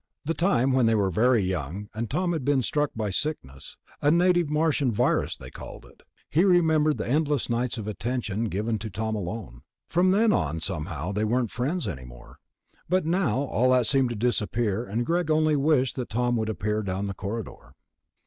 The time when they were very young and Tom had been struck by the sickness, a native Martian virus they called it. He remembered the endless nights of attention given to Tom alone. From then on somehow they weren't friends any more. But now all that seemed to disappear and Greg only wished that Tom would appear down the corridor....